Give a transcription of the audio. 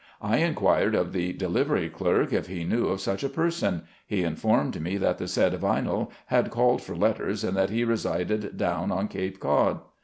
I inquired of the delivery clerk if he knew of such a person ; he informed me that the said Vinell had called for letters and that he resided down on Cape Cod.